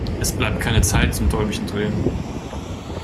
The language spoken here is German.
Es bleibt keine Zeit zum Däumchen drehen.